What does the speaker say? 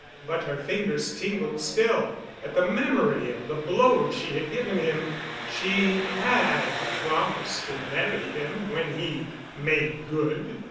But her fingers tingled still—at the memory of the blow she had given him. She had promised to marry him when he "made good."